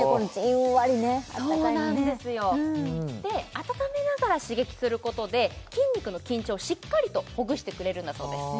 温めながら刺激することで筋肉の緊張をしっかりとほぐしてくれるんだそうです